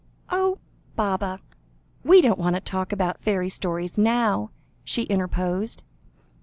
"Oh! Baba we don't want to talk about fairy stories now," she interposed.